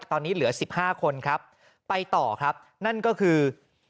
ตอนนี้เหลือสิบห้าคนครับไปต่อครับนั่นก็คือ